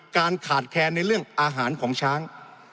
การขาดแคลนในเรื่องอาหารของช้าง